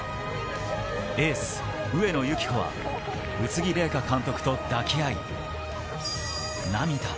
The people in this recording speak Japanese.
エース・上野由岐子は、宇津木麗華監督と抱き合い、涙。